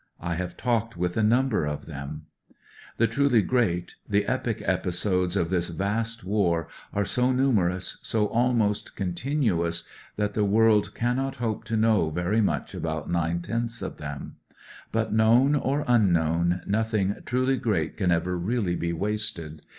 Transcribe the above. I have talked with a number of them. .^dL ON THE WAY TO LONDON 287 1 A The truly great, the epic episodes of this vast war, are so numerous, so ahnost continuous, that the world cannot hope to know very much about nine tenths of them. But, known or unknown, nothmg truly great can ever reaUy be wasted.